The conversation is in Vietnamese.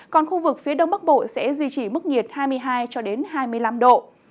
còn khu vực phía đông bắc bộ sẽ duy trì mức nhiệt hai mươi hai hai mươi năm độ